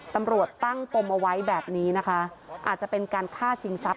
ตำรวจตั้งปมเอาไว้แบบนี้นะคะอาจจะเป็นการฆ่าชิงทรัพย